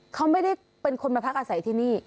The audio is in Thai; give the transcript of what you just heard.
เขาไม่ได้เป็นคนมาพักอาศัยที่นี่